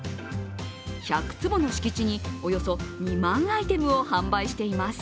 １００坪の敷地におよそ２万アイテムを販売しています。